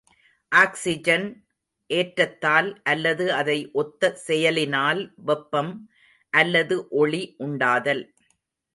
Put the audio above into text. Oxygen ஏற்றத்தால் அல்லது அதை ஒத்த செயலினால் வெப்பம் அல்லது ஒளி உண்டாதல்.